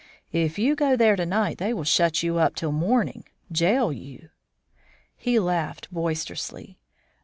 "If you go there to night they will shut you up till morning jail you!" He laughed boisterously.